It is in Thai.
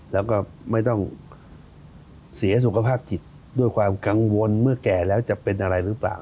แล้วก็ไม่ต้องเสียสุขภาพจิตด้วยความกังวลเมื่อแก่แล้วจะเป็นอะไรหรือเปล่า